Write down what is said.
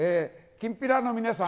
きんぴらの皆さん。